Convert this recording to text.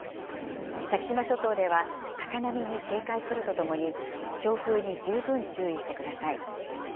先島諸島では高波に警戒するとともに、強風に十分注意してください。